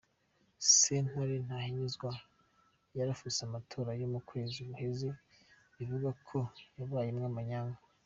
Sentare ntahinyuzwa yarafuse amatora yo mu kwezi guheze, ivuga ko habayemwo amanyanga.